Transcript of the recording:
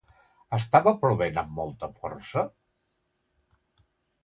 Estava plovent amb molta força?